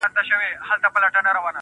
• څومره له حباب سره ياري کوي.